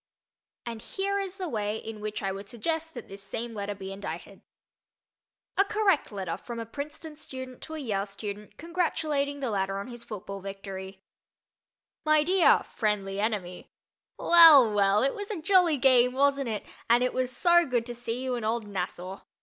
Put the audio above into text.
And here is the way in which I would suggest that this same letter be indited. A Correct Letter from a Princeton Student to a Yale Student Congratulating the Latter on His Football Victory MY DEAR "FRIENDLY ENEMY": Well, well, it was a jolly game, wasn't it, and it was so good to see you in "Old Nassau."